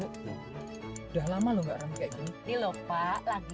udah lama loh gak ramai kayak gini